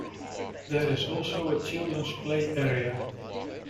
There is also a children's play area.